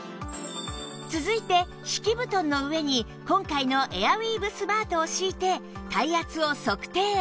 続いて敷き布団の上に今回のエアウィーヴスマートを敷いて体圧を測定